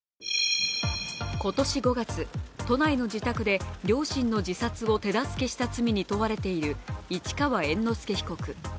今年５月、都内の自宅で両親の自殺を手助けした罪に問われている市川猿之助被告。